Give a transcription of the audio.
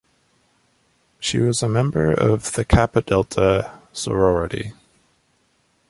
She was a member of the Kappa Delta sorority.